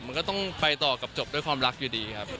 มันก็ต้องไปต่อกับจบด้วยความรักอยู่ดีครับ